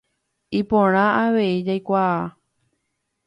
Iporã avei jaikuaa.